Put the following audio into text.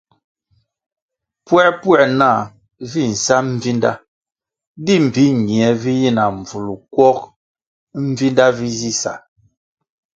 Puēpuē nah vi nsa mbvinda di mbpi nie vi yi na mbvul kwog Mbvinda vi zi sa ?